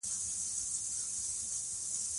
لوستې نجونې رښتينې اړيکې جوړوي.